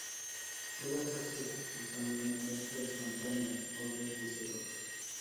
Puede hacerse usando una mezcla instantánea o desde cero.